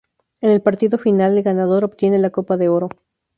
En el partido final el ganador obtiene la Copa de Oro.